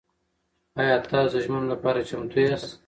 ایا تاسو د ژمنو لپاره چمتو یاست؟